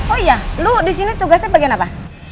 oh iya lo di sini tugasnya bagian apa